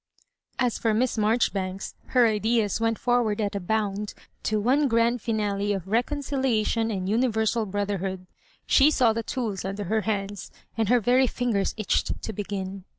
As for Miss Maijoribanks, her ideas went for ward at a bound to one grand finale of reconcili ation and universal brotherhood. She saw the tools under her hands, and her very fingers itch ed to begin.